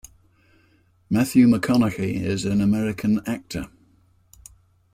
Matthew McConaughey is an American actor.